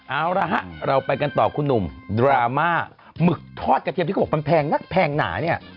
เอาละฮะเราไปกันต่อคุณหนุ่มดราม่าหมึกทอดกระเทียมที่เขาบอกมันแพงนักแพงหนาเนี่ย